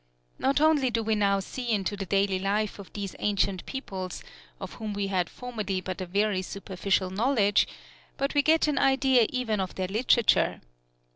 Not only do we now see into the daily life of these ancient peoples, of whom we had formerly but a very superficial knowledge, but we get an idea even of their literature.